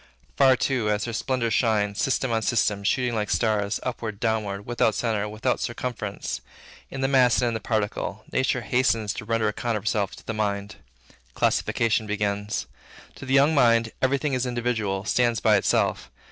Far, too, as her splendors shine, system on system shooting like rays, upward, downward, without centre, without circumference, in the mass and in the particle, nature hastens to render account of herself to the mind. Classification begins. To the young mind, every thing is individual, stands by itself.